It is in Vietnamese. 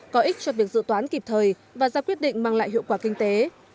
có ích cho việc dự toán kịp thời và ra quyết định mang lại hiệu quả kinh tế